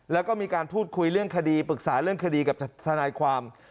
แล้วก็มีการพูดคุยเรื่องคดีปรึกษาเรื่องคดีกับทนายความ